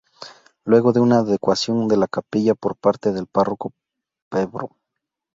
Luego de una adecuación de la capilla por parte del Párroco Pbro.